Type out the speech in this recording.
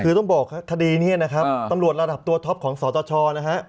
คือต้องบอกคดีนี้นะครับตำรวจระดับตัวท็อปของสตชนะฮะ